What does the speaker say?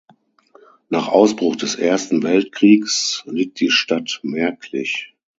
Nach Ausbruch des Ersten Weltkriegs litt die Stadt merklich.